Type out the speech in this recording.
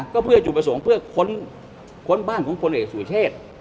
ก็เพื่อจุดประสงค์เพื่อค้นบ้านของพลเอกสุเชษ